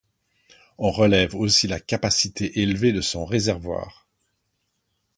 On relève aussi la capacité élevée de son réservoir.